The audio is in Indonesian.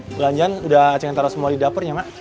belanjaan udah saya taruh semua di dapurnya